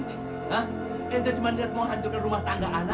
saya hanya ingin lihat anda mau hancurkan rumah tangga saya